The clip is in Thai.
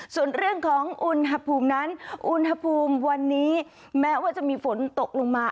ส่วนเรื่องของอุณหภูมินั้นอุณหภูมิวันนี้แม้ว่าจะมีฝนตกลงมา